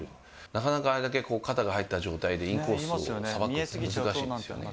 なかなかあれだけ肩が入った状態で、インコースをさばくっていうのは難しいですよね。